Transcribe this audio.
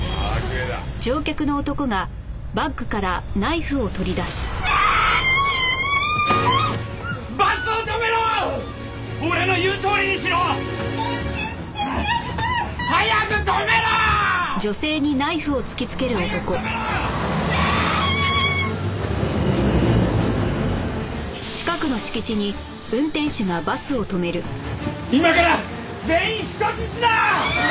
今から全員人質だ！